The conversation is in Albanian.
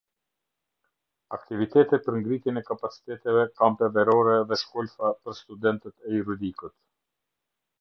Aktivitete për ngritjen e kapaciteteve, kampe verore dhe shkolfa për studentët e juridikut.